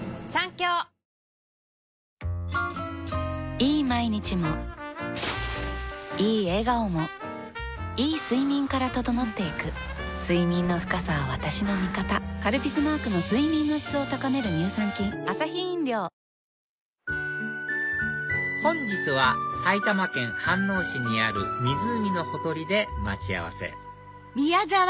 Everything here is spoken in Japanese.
いい毎日もいい笑顔もいい睡眠から整っていく睡眠の深さは私の味方「カルピス」マークの睡眠の質を高める乳酸菌本日は埼玉県飯能市にある湖のほとりで待ち合わせ